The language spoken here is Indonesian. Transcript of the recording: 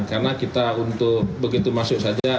karena kita untuk begitu masuk saja